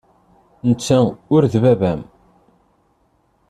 Netta ur d baba-m.